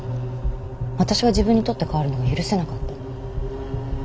私が自分に取って代わるのが許せなかったの。